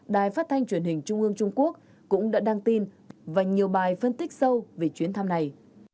đài phát thanh truyền hình trung ương trung quốc cũng đã đăng tin và nhiều bài phân tích sâu về chuyến thăm này